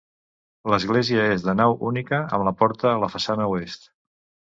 L'església és de nau única, amb la porta a la façana oest.